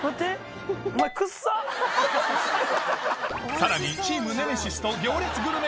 さらにチームネメシスと行列グルメ